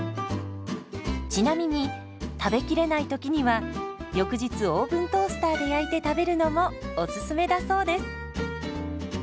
ちなみに食べきれないときには翌日オーブントースターで焼いて食べるのもおすすめだそうです。